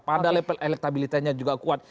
pada level elektabilitasnya juga kuat